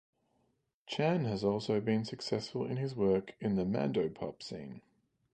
Chan has also been successful in his work in the Mandopop scene.